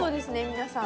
皆さん。